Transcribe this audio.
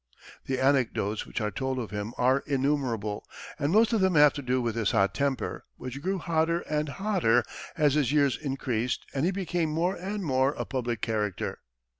The anecdotes which are told of him are innumerable, and most of them have to do with his hot temper, which grew hotter and hotter as his years increased and he became more and more a public character.